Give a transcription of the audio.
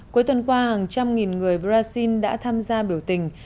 cuối tuần qua hàng trăm nghìn người brazil đã tham gia biểu tình